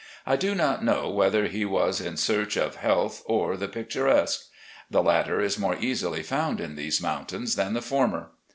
I do not know whether he was in search of health or the picturesque. The latter is more easily found in these mountains than the former.